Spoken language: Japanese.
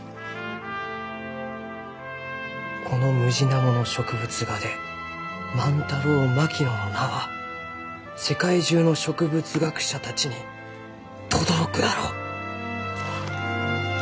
「このムジナモの植物画で『ＭａｎｔａｒｏＭａｋｉｎｏ』の名は世界中の植物学者たちにとどろくだろう」。